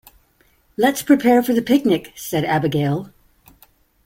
"Let's prepare for the picnic!", said Abigail.